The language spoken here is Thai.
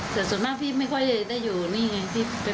แต่ส่วนมากพี่ไม่ค่อยได้อยู่นี่ไง